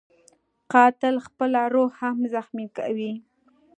قاتل خپله روح هم زخمي کوي